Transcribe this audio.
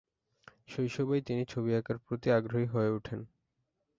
শৈশবেই তিনি ছবি আঁকার প্রতি আগ্রহী হয়ে উঠেন।